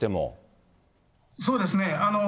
そうですね。